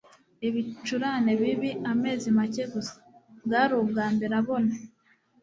ibicurane bibi, amezi make gusa. bwari ubwambere abona